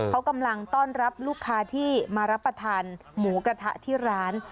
เขากำลังต้อนรับลูกค้าที่มารับประทานหมูกระทะที่ร้าน